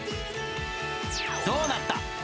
どーなった？